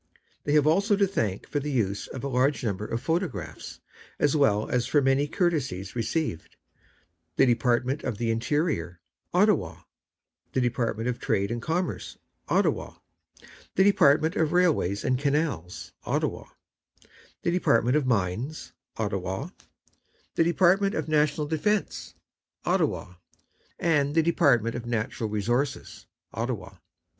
They have also to thank for the use of a large number of photographs, as well as for many courtesies received, the Department of the Interior, Ottawa, the Department of Trade and Commerce, Ottawa, the Department of Railways and Canals, Ottawa, the Department of Mines, Ottawa, the Department of National Defence, Ottawa, and the Department of Natural Resources, Ottawa.